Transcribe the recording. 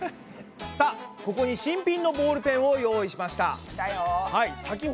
さあここに新品のボールペンを用意しました。